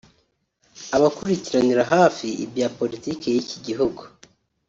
Abakurikiranira hafi ibya Politike y’iki gihugu